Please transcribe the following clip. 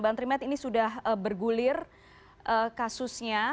bank trimedia ini sudah bergulir kasusnya